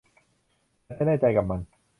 ฉันแน่ใจกับมัน